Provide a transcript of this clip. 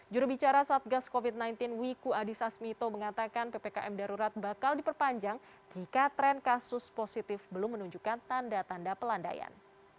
jurubicara satgas covid sembilan belas wiku adhisa smito mengatakan ppkm darurat bakal diperpanjang jika tren kasus positif belum menunjukkan tanda tanda pelandaian